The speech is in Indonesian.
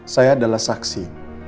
saya adalah saksi